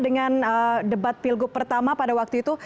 dengan debat pilgub pertama pada waktu itu